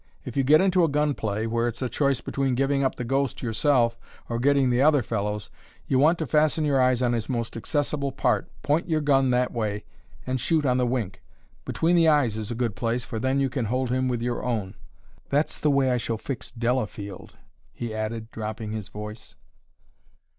If you get into a gun play, where it's a choice between giving up the ghost yourself or getting the other fellow's, you want to fasten your eyes on his most accessible part, point your gun that way, and shoot on the wink. Between the eyes is a good place, for then you can hold him with your own. That's the way I shall fix Delafield," he added, dropping his voice.